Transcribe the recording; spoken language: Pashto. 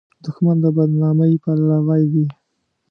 دښمن د بد نامۍ پلوی وي